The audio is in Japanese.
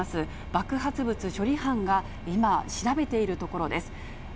爆発物処理班が今、調べているところです。